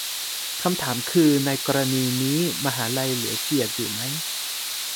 คำถามคือ ในกรณีนี้มหาลัยเหลือเกียรติอยู่ไหม ?